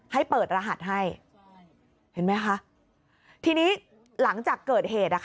ให้เปิดรหัสให้เห็นไหมคะทีนี้หลังจากเกิดเหตุ